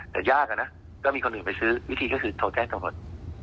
แต่ยากอะนะก็มีคนอื่นไปซื้อวิธีก็คือโทรแจ้งตำรวจ